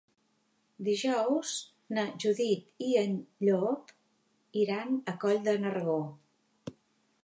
Dijous na Judit i en Llop iran a Coll de Nargó.